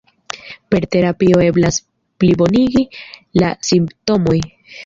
Per terapio eblas plibonigi la simptomojn.